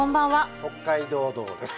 「北海道道」です。